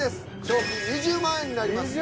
賞金２０万円になります。